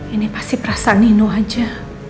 ini pasti perasaan nino aja